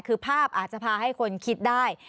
คือภาพอาจจะพาให้คนคิดได้